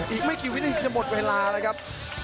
อีกไม่กี่วินาทีจะหมดเวลานะครับ